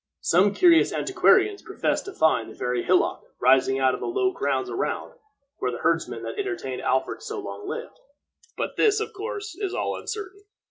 Some curious antiquarians profess to find the very hillock, rising out of the low grounds around, where the herdsman that entertained Alfred so long lived; but this, of course is all uncertain.